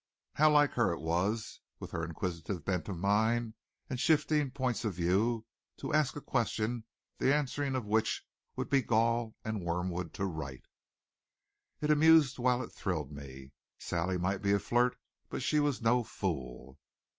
How like her it was, with her inquisitive bent of mind and shifting points of view, to ask a question the answering of which would be gall and wormwood to Wright! It amused while it thrilled me. Sally might be a flirt, but she was no fool.